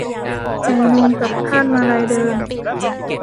ใส่นวมกับคาดมาลัยเดิน